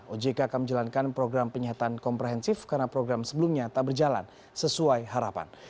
ojk akan menjalankan program penyihatan komprehensif karena program sebelumnya tak berjalan sesuai harapan